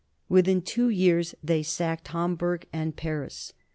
Within two years they sacked Hamburg and Paris.